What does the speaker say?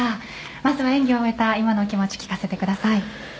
まずは演技を終えた今のお気持ちを聞かせてください。